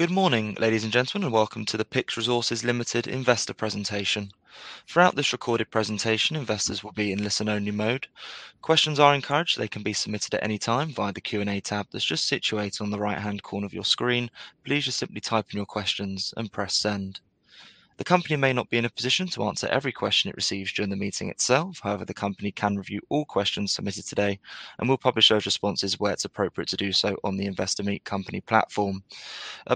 Good morning, ladies and gentlemen, and welcome to the PYX Resources Limited investor presentation. Throughout this recorded presentation, investors will be in listen-only mode. Questions are encouraged. They can be submitted at any time via the Q&A tab that's just situated on the right-hand corner of your screen. Please just simply type in your questions and press send. The company may not be in a position to answer every question it receives during the meeting itself. However, the company can review all questions submitted today, and we'll publish those responses where it's appropriate to do so on the Investor Meet Company platform.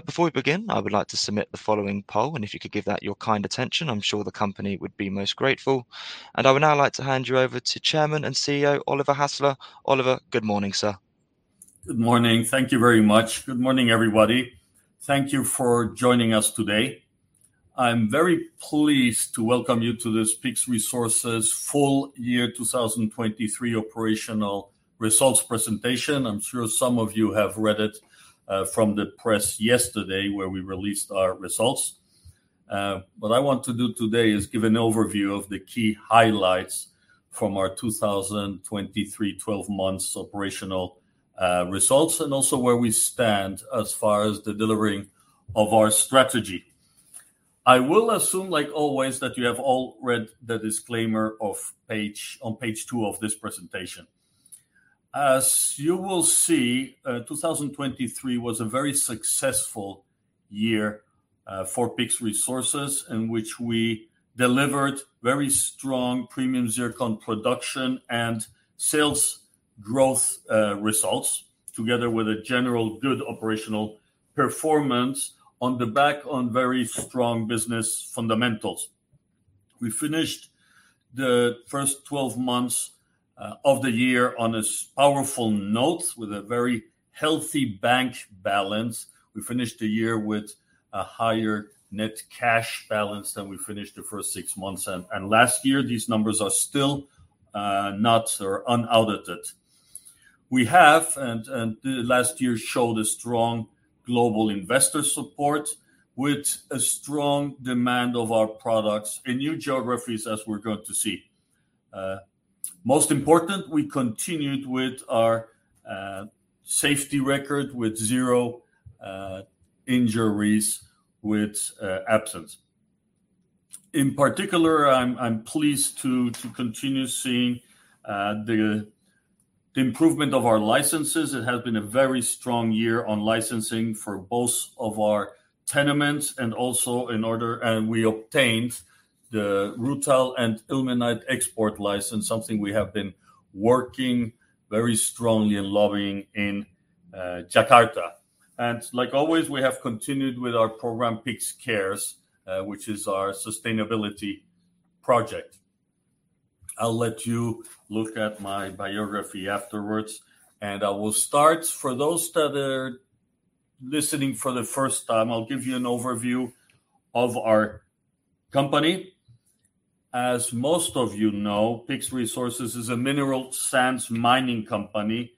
Before we begin, I would like to submit the following poll, and if you could give that your kind attention, I'm sure the company would be most grateful. I would now like to hand you over to Chairman and CEO, Oliver Hasler. Oliver, good morning, sir. Good morning. Thank you very much. Good morning, everybody. Thank you for joining us today. I'm very pleased to welcome you to this PYX Resources full year 2023 operational results presentation. I'm sure some of you have read it from the press yesterday where we released our results. What I want to do today is give an overview of the key highlights from our 2023 12 months operational results and also where we stand as far as the delivering of our strategy. I will assume, like always, that you have all read the disclaimer on page two of this presentation. As you will see, 2023 was a very successful year for PYX Resources in which we delivered very strong premium zircon production and sales growth results together with a generally good operational performance on the back of very strong business fundamentals. We finished the first 12 months of the year on a powerful note with a very healthy bank balance. We finished the year with a higher net cash balance than we finished the first six months and last year. These numbers are still not yet unaudited. Last year showed a strong global investor support with a strong demand of our products in new geographies as we're going to see. Most important, we continued with our safety record with zero injuries with zero absences. In particular, I'm pleased to continue seeing the improvement of our licenses. It has been a very strong year on licensing for both of our tenements, and we obtained the rutile and ilmenite export license, something we have been working very strongly and lobbying in Jakarta. Like always, we have continued with our program, PYX Cares, which is our sustainability project. I'll let you look at my biography afterwards, and I will start. For those that are listening for the first time, I'll give you an overview of our company. As most of you know, PYX Resources is a mineral sands mining company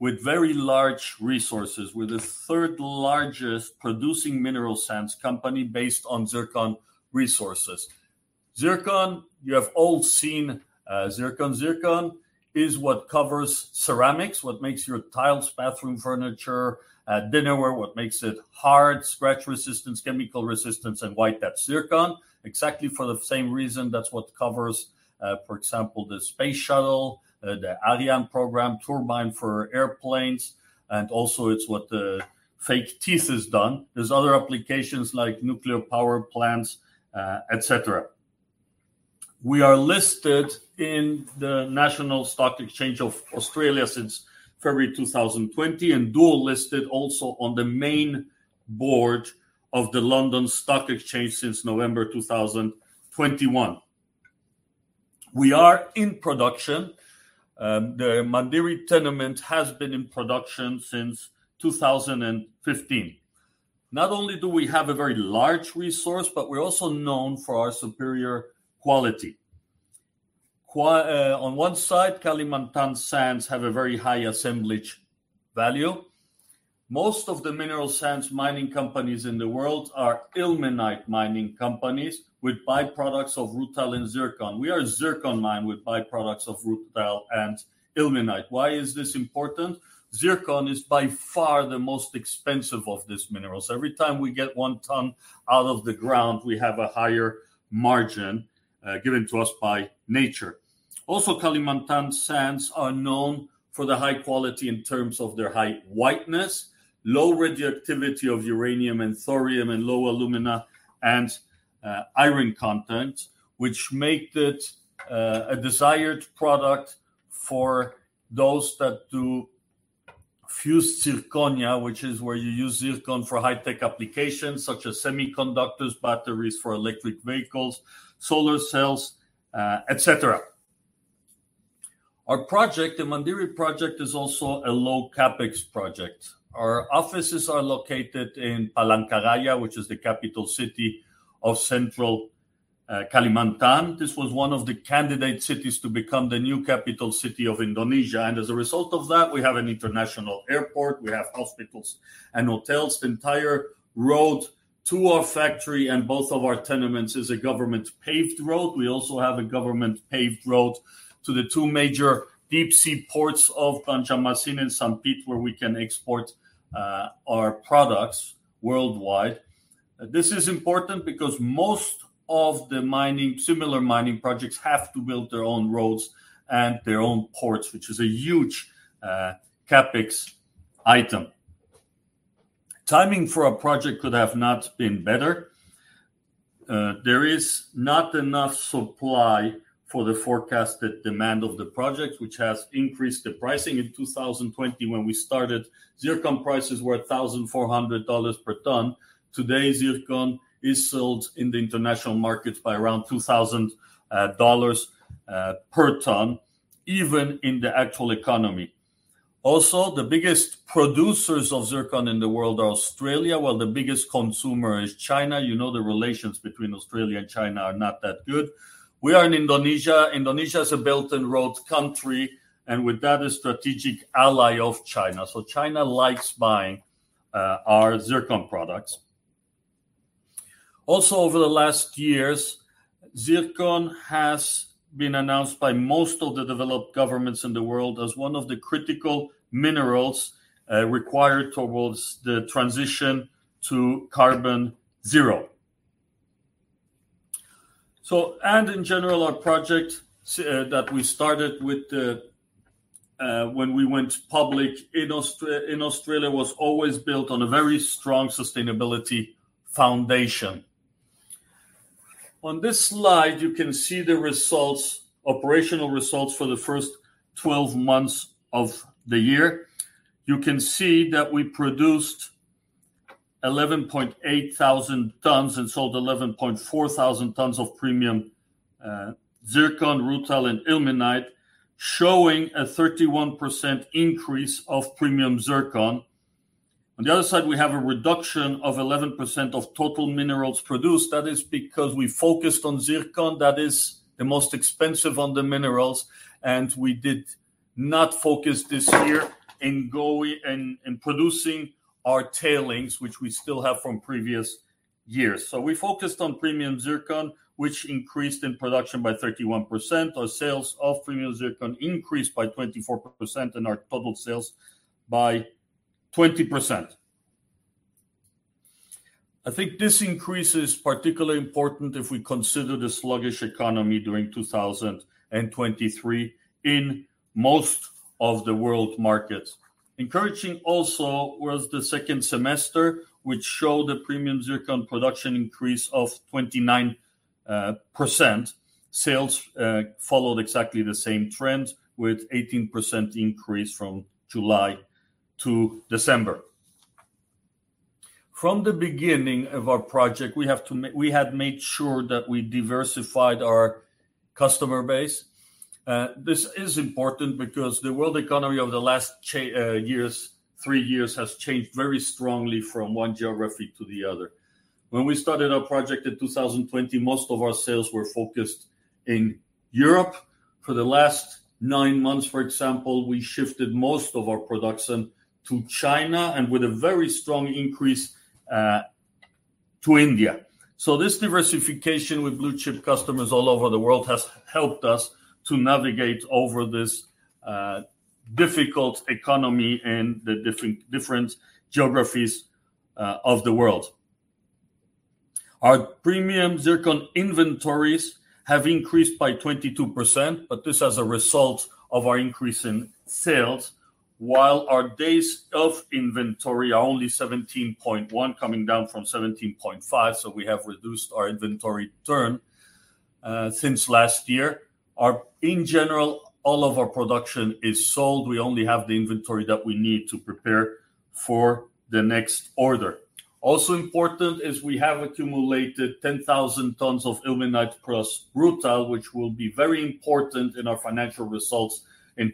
with very large resources. We're the third-largest producing mineral sands company based on zircon resources. Zircon, you have all seen zircon. Zircon is what covers ceramics, what makes your tiles, bathroom furniture, dinnerware, what makes it hard, scratch-resistant, chemical-resistant and white. That's zircon. Exactly for the same reason, that's what covers, for example, the space shuttle, the Ariane program, turbine for airplanes, and also it's what the fake teeth is done. There's other applications like nuclear power plants, et cetera. We are listed in the National Stock Exchange of Australia since February 2020 and dual-listed also on the main board of the London Stock Exchange since November 2021. We are in production. The Mandiri tenement has been in production since 2015. Not only do we have a very large resource, but we're also known for our superior quality. On one side, Kalimantan sands have a very high assemblage value. Most of the mineral sands mining companies in the world are ilmenite mining companies with byproducts of rutile and zircon. We are a zircon mine with byproducts of rutile and ilmenite. Why is this important? Zircon is by far the most expensive of these minerals. Every time we get one ton out of the ground, we have a higher margin given to us by nature. Also, Kalimantan sands are known for the high quality in terms of their high whiteness, low radioactivity of uranium and thorium, and low alumina and iron content, which make it a desired product for those that do fused zirconia, which is where you use zircon for high-tech applications such as semiconductors, batteries for electric vehicles, solar cells, et cetera. Our project, the Mandiri project, is also a low CapEx project. Our offices are located in Palangka Raya, which is the capital city of Central Kalimantan. This was one of the candidate cities to become the new capital city of Indonesia, and as a result of that, we have an international airport. We have hospitals and hotels. The entire road to our factory and both of our tenements is a government-paved road. We also have a government-paved road to the two major deep sea ports of Banjarmasin and Sampit, where we can export our products worldwide. This is important because most of the similar mining projects have to build their own roads and their own ports, which is a huge CapEx item. Timing for our project could have not been better. There is not enough supply for the forecasted demand of the project, which has increased the pricing. In 2020 when we started, zircon prices were $1,400 per ton. Today, zircon is sold in the international market by around $2,000 per ton, even in the actual economy. Also, the biggest producers of zircon in the world are Australia, while the biggest consumer is China. You know the relations between Australia and China are not that good. We are in Indonesia. Indonesia is a Belt and Road country, and with that, a strategic ally of China. China likes buying our zircon products. Also, over the last years, zircon has been announced by most of the developed governments in the world as one of the critical minerals required towards the transition to carbon zero. In general, our projects that we started with the, when we went public in Australia was always built on a very strong sustainability foundation. On this slide, you can see the results, operational results for the first 12 months of the year. You can see that we produced 11,800 tons and sold 11,400 tons of premium zircon, rutile, and ilmenite, showing a 31% increase of premium zircon. On the other side, we have a reduction of 11% of total minerals produced. That is because we focused on zircon, that is the most expensive on the minerals, and we did not focus this year in going and producing our tailings, which we still have from previous years. We focused on premium zircon, which increased in production by 31%. Our sales of premium zircon increased by 24% and our total sales by 20%. I think this increase is particularly important if we consider the sluggish economy during 2023 in most of the world markets. Encouraging also was the second semester, which showed a premium zircon production increase of 29%. Sales followed exactly the same trend with 18% increase from July to December. From the beginning of our project, we had made sure that we diversified our customer base. This is important because the world economy over the last three years has changed very strongly from one geography to the other. When we started our project in 2020, most of our sales were focused in Europe. For the last nine months, for example, we shifted most of our production to China and with a very strong increase to India. This diversification with blue-chip customers all over the world has helped us to navigate over this difficult economy and the different geographies of the world. Our premium zircon inventories have increased by 22%, but this as a result of our increase in sales, while our days of inventory are only 17.1%, coming down from 17.5%, so we have reduced our inventory turn since last year. In general, all of our production is sold. We only have the inventory that we need to prepare for the next order. Also important is we have accumulated 10,000 tons of ilmenite plus rutile, which will be very important in our financial results in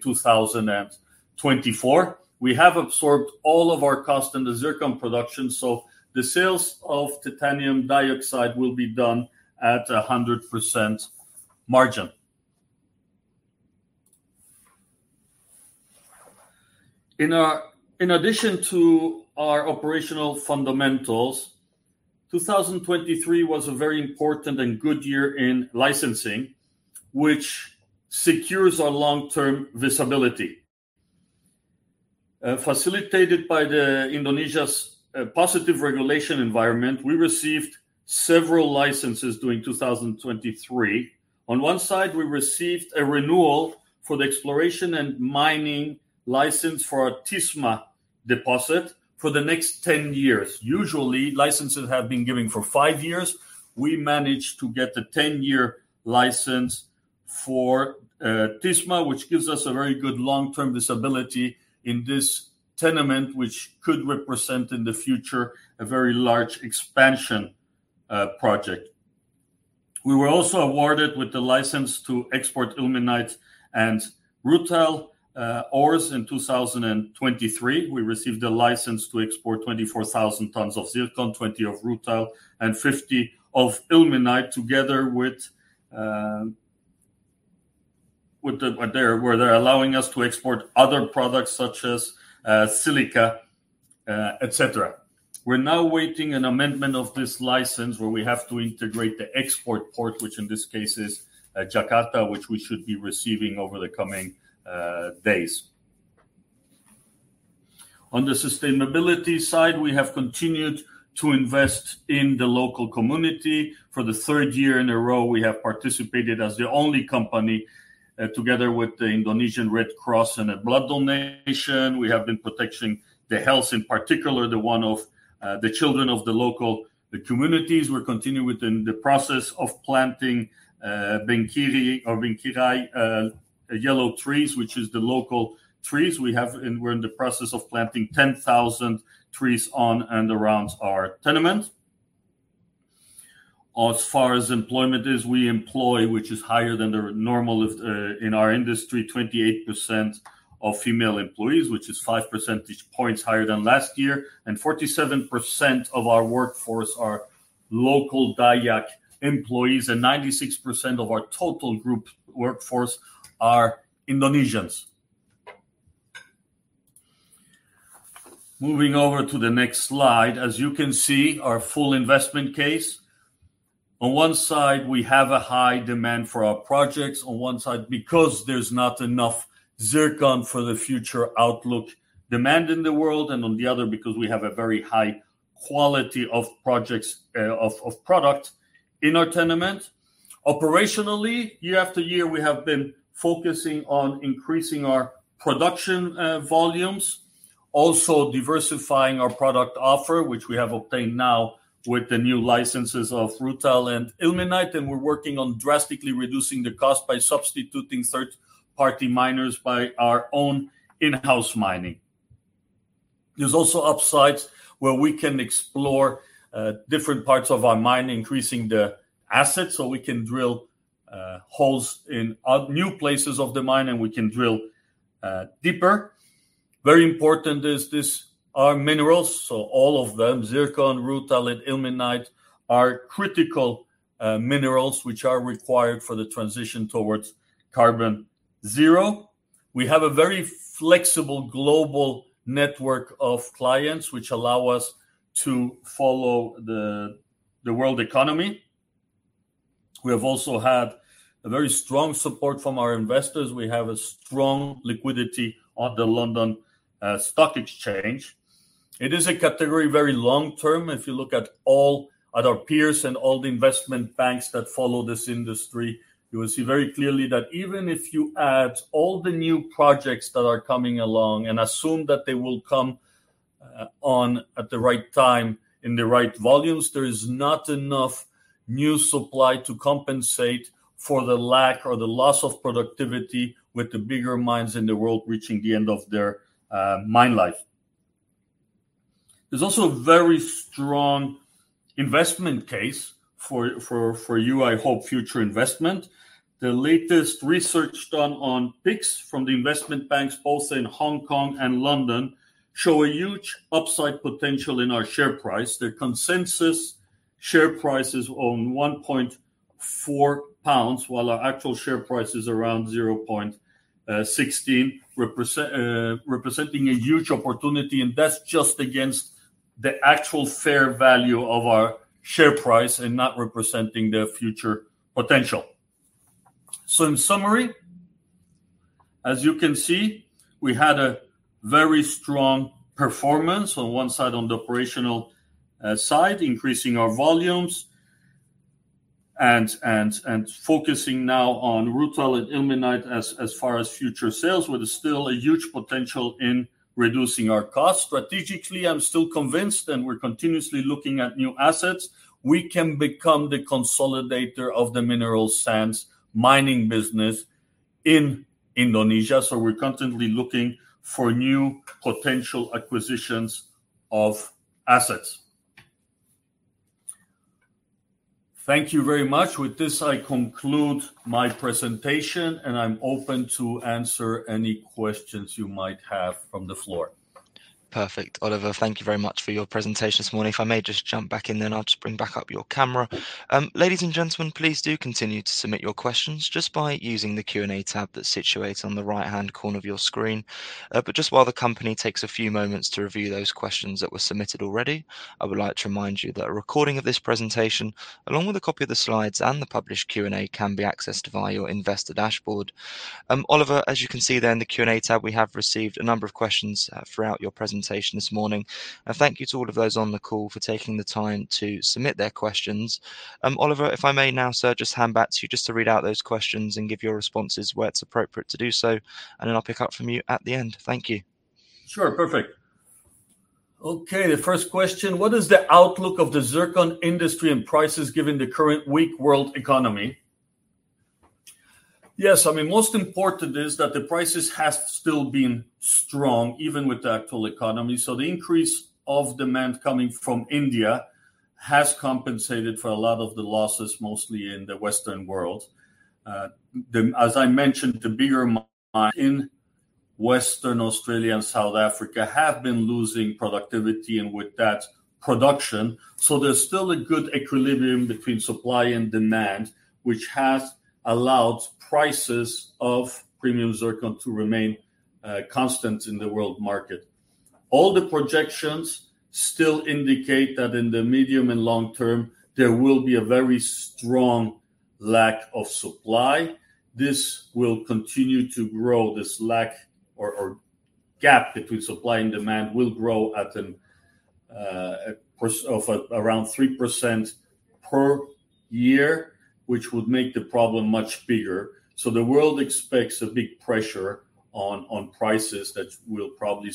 2024. We have absorbed all of our cost in the zircon production, so the sales of titanium dioxide will be done at 100% margin. In addition to our operational fundamentals, 2023 was a very important and good year in licensing, which secures our long-term visibility. Facilitated by Indonesia's positive regulation environment, we received several licenses during 2023. On one side, we received a renewal for the exploration and mining license for our Tisma deposit for the next 10 years. Usually, licenses have been given for five years. We managed to get a 10-year license for Tisma, which gives us a very good long-term visibility in this tenement, which could represent, in the future, a very large expansion project. We were also awarded with the license to export ilmenite and rutile ores in 2023. We received a license to export 24,000 tons of zircon, 20 of rutile, and 50 of ilmenite together with where they're allowing us to export other products such as silica, et cetera. We're now waiting an amendment of this license where we have to integrate the export port, which in this case is Jakarta, which we should be receiving over the coming days. On the sustainability side, we have continued to invest in the local community. For the third year in a row, we have participated as the only company together with the Indonesian Red Cross in a blood donation. We have been protecting the health, in particular, the one of the children of the local communities. We're continuing with the process of planting Bengkirai yellow trees, which is the local trees we have. We're in the process of planting 10,000 trees on and around our tenement. As far as employment, we employ 28% of female employees, which is higher than the normal in our industry, five percentage points higher than last year, and 47% of our workforce are local Dayak employees, and 96% of our total group workforce are Indonesians. Moving over to the next slide. As you can see, our full investment case. On one side, we have a high demand for our projects. On one side, because there's not enough zircon for the future outlook demand in the world, and on the other, because we have a very high quality of projects, of product in our tenement. Operationally, year after year, we have been focusing on increasing our production, volumes. Also diversifying our product offer, which we have obtained now with the new licenses of rutile and ilmenite, and we're working on drastically reducing the cost by substituting third-party miners by our own in-house mining. There's also upsides where we can explore, different parts of our mine, increasing the assets, so we can drill, holes in new places of the mine, and we can drill, deeper. Very important is this, our minerals, so all of them, zircon, rutile, and ilmenite, are critical, minerals which are required for the transition towards carbon zero. We have a very flexible global network of clients which allow us to follow the world economy. We have also had a very strong support from our investors. We have a strong liquidity on the London Stock Exchange. It is a category very long-term. If you look at all our peers and all the investment banks that follow this industry, you will see very clearly that even if you add all the new projects that are coming along and assume that they will come on at the right time in the right volumes, there is not enough new supply to compensate for the lack or the loss of productivity with the bigger mines in the world reaching the end of their mine life. There's also a very strong investment case for you, I hope, future investment. The latest research done on PYX from the investment banks, both in Hong Kong and London, show a huge upside potential in our share price. The consensus share price is 1.4 pounds, while our actual share price is around 0.16. Representing a huge opportunity, and that's just against the actual fair value of our share price and not representing the future potential. In summary, as you can see, we had a very strong performance on one side, on the operational side, increasing our volumes and focusing now on rutile and ilmenite as far as future sales, with still a huge potential in reducing our costs. Strategically, I'm still convinced, and we're continuously looking at new assets, we can become the consolidator of the mineral sands mining business in Indonesia. We're constantly looking for new potential acquisitions of assets. Thank you very much. With this, I conclude my presentation, and I'm open to answer any questions you might have from the floor. Perfect. Oliver, thank you very much for your presentation this morning. If I may just jump back in then, I'll just bring back up your camera. Ladies and gentlemen, please do continue to submit your questions just by using the Q&A tab that's situated on the right-hand corner of your screen. Just while the company takes a few moments to review those questions that were submitted already, I would like to remind you that a recording of this presentation, along with a copy of the slides and the published Q&A, can be accessed via your investor dashboard. Oliver, as you can see there in the Q&A tab, we have received a number of questions throughout your presentation this morning. Thank you to all of those on the call for taking the time to submit their questions. Oliver, if I may now, sir, just hand back to you just to read out those questions and give your responses where it's appropriate to do so, and then I'll pick up from you at the end. Thank you. Sure. Perfect. Okay, the first question: What is the outlook of the zircon industry and prices given the current weak world economy? Yes. I mean, most important is that the prices has still been strong, even with the actual economy. The increase of demand coming from India has compensated for a lot of the losses, mostly in the Western world. As I mentioned, the bigger mines in Western Australia and South Africa have been losing productivity, and with that, production. There's still a good equilibrium between supply and demand, which has allowed prices of premium zircon to remain constant in the world market. All the projections still indicate that in the medium and long term, there will be a very strong lack of supply. This will continue to grow. This lack or gap between supply and demand will grow at around 3% per year, which would make the problem much bigger. The world expects a big pressure on prices that will probably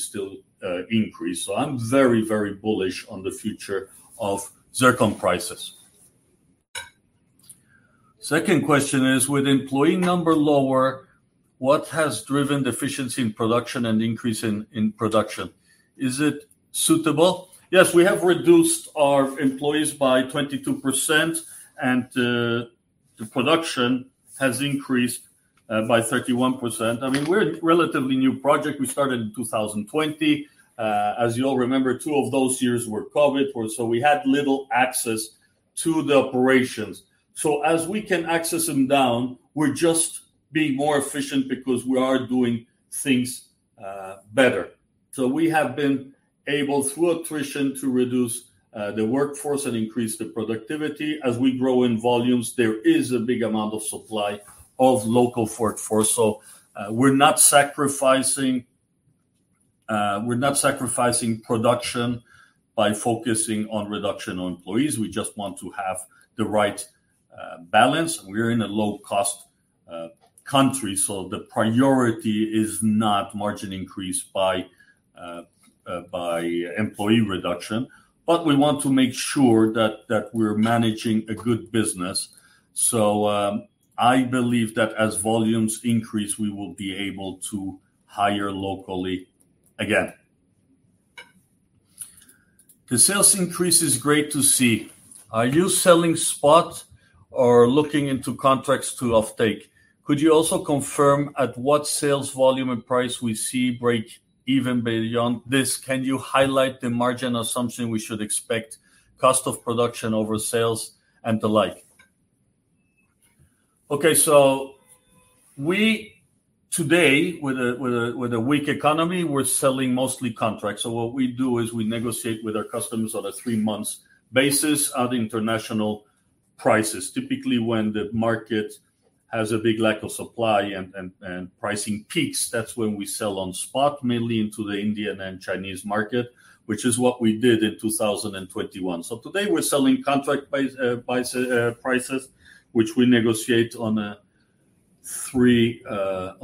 increase. I'm very, very bullish on the future of zircon prices. Second question is: With employee number lower, what has driven the efficiency in production and increase in production? Is it sustainable? Yes, we have reduced our employees by 22% and the production has increased by 31%. I mean, we're a relatively new project. We started in 2020. As you all remember, two of those years were COVID, so we had little access to the operations. As we can access them now, we're just being more efficient because we are doing things better. We have been able, through attrition, to reduce the workforce and increase the productivity. As we grow in volumes, there is a big amount of supply of local workforce. We're not sacrificing production by focusing on reduction in employees. We just want to have the right balance. We're in a low-cost country, so the priority is not margin increase by employee reduction. We want to make sure that we're managing a good business. I believe that as volumes increase, we will be able to hire locally again. The sales increase is great to see. Are you selling spot or looking into contracts to offtake? Could you also confirm at what sales volume and price we see breakeven beyond this? Can you highlight the margin assumption we should expect, cost of production over sales and the like? Okay, today, with a weak economy, we're selling mostly contracts. What we do is we negotiate with our customers on a three-month basis at international prices. Typically, when the market has a big lack of supply and pricing peaks, that's when we sell on spot, mainly into the Indian and Chinese market, which is what we did in 2021. Today we're selling contract-based prices, which we negotiate on a three-month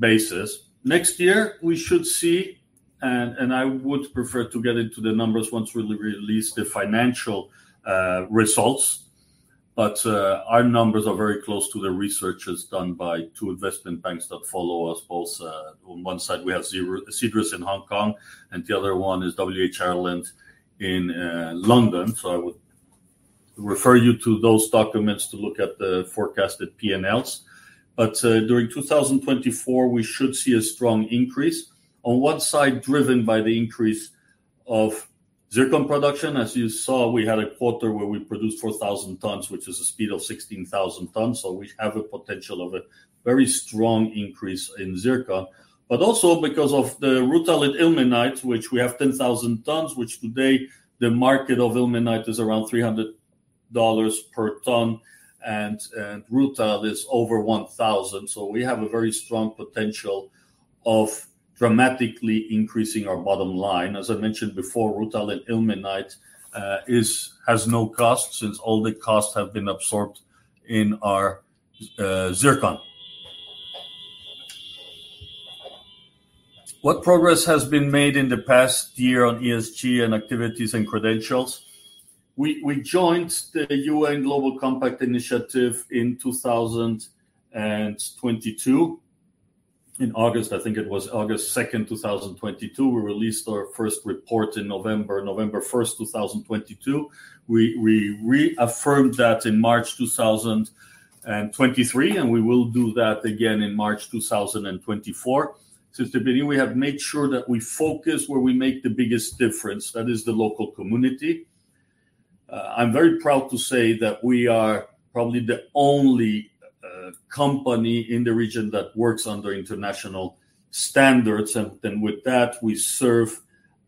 basis. Next year we should see... I would prefer to get into the numbers once we release the financial results, but our numbers are very close to the research done by two investment banks that follow us. Both on one side we have Cedrus in Hong Kong, and the other one is WH Ireland in London. I would refer you to those documents to look at the forecasted P&Ls. During 2024, we should see a strong increase. On one side, driven by the increase of zircon production. As you saw, we had a quarter where we produced 4,000 tons, which is a speed of 16,000 tons. We have a potential of a very strong increase in zircon. Also because of the rutile and ilmenite, which we have 10,000 tons, which today the market of ilmenite is around $300 per ton and rutile is over $1,000. We have a very strong potential of dramatically increasing our bottom line. As I mentioned before, rutile and ilmenite has no cost since all the costs have been absorbed in our zircon. What progress has been made in the past year on ESG and activities and credentials? We joined the United Nations Global Compact in 2022, in August, I think it was August 2nd, 2022. We released our first report in November 1st, 2022. We reaffirmed that in March 2023, and we will do that again in March 2024. Since the beginning, we have made sure that we focus where we make the biggest difference, that is the local community. I'm very proud to say that we are probably the only company in the region that works under international standards. With that, we serve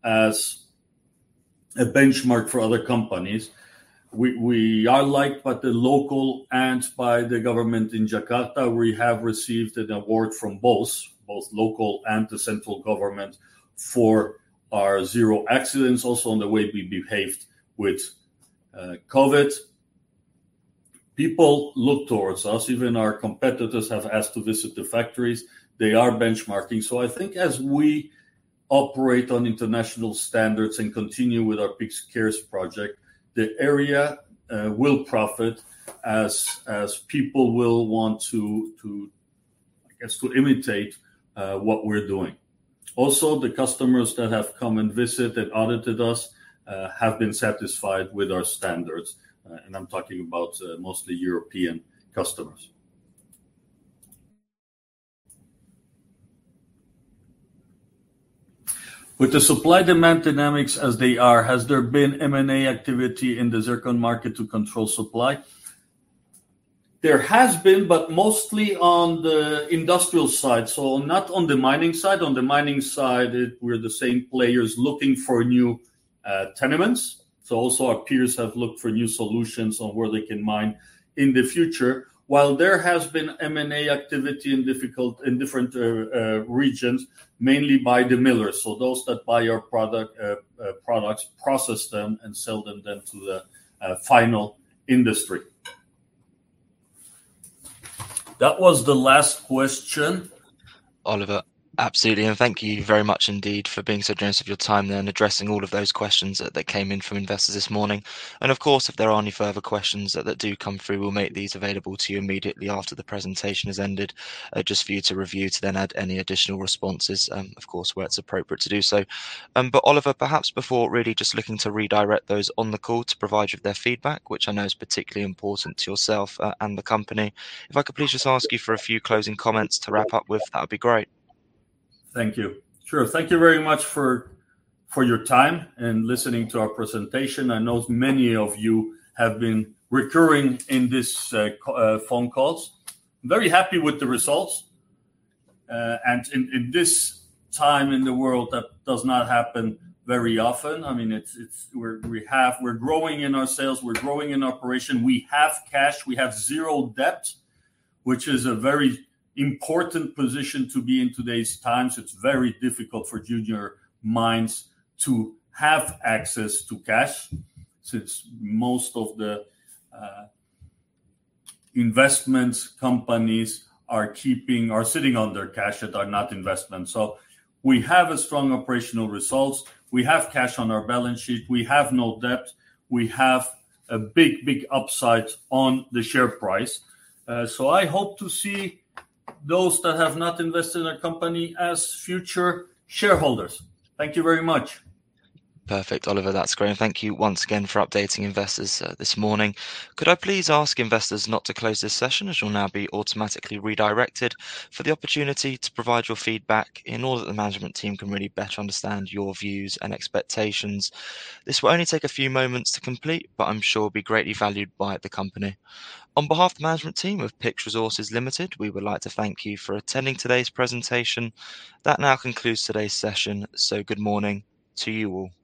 as a benchmark for other companies. We are liked by the local and by the government in Jakarta. We have received an award from both local and the central government for our zero accidents, also on the way we behaved with COVID. People look towards us. Even our competitors have asked to visit the factories. They are benchmarking. I think as we operate on international standards and continue with our PYX Cares project, the area will profit as people will want to, I guess, imitate what we're doing. Also, the customers that have come and visited, audited us, have been satisfied with our standards, and I'm talking about mostly European customers. "With the supply-demand dynamics as they are, has there been M&A activity in the zircon market to control supply?" There has been, but mostly on the industrial side, so not on the mining side. On the mining side we're the same players looking for new tenements, so also our peers have looked for new solutions on where they can mine in the future. While there has been M&A activity in different regions, mainly by the millers, so those that buy our products, process them and sell them then to the final industry. That was the last question. Oliver, absolutely. Thank you very much indeed for being so generous with your time then, addressing all of those questions that came in from investors this morning. Of course, if there are any further questions that do come through, we'll make these available to you immediately after the presentation has ended, just for you to review to then add any additional responses, of course, where it's appropriate to do so. Oliver, perhaps before really just looking to redirect those on the call to provide you with their feedback, which I know is particularly important to yourself, and the company, if I could please just ask you for a few closing comments to wrap up with, that would be great. Thank you. Sure. Thank you very much for your time in listening to our presentation. I know many of you have been returning to these conference calls. Very happy with the results. In this time in the world, that does not happen very often. I mean, we're growing in our sales, we're growing in operation. We have cash. We have zero debt, which is a very important position to be in today's times. It's very difficult for junior mines to have access to cash since most of the investment companies are keeping or sitting on their cash that are not investing. We have a strong operational results. We have cash on our balance sheet. We have no debt. We have a big upside on the share price. I hope to see those that have not invested in our company as future shareholders. Thank you very much. Perfect, Oliver. That's great. Thank you once again for updating investors this morning. Could I please ask investors not to close this session, as you'll now be automatically redirected for the opportunity to provide your feedback in order that the management team can really better understand your views and expectations. This will only take a few moments to complete, but I'm sure will be greatly valued by the company. On behalf of the management team of PYX Resources Limited, we would like to thank you for attending today's presentation. That now concludes today's session, so good morning to you all.